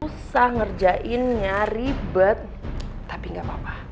usah ngerjainnya ribet tapi gak apa apa